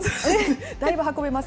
だいぶ運べます。